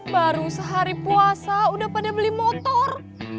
baru sehari puasa udah pada beli motor